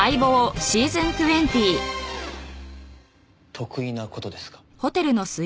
得意な事ですか？